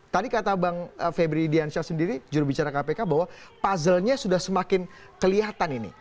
tadi kata bang febri diansyah sendiri juru bicara kpk bahwa puzzlenya sudah semakin kelihatan ini